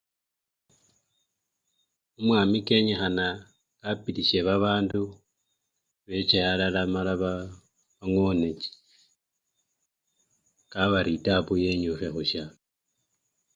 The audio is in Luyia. Omwami kenyikhana apilishe babandu beche alala mala baa! bangone chi kabari itabu yenyukhe khusyalo.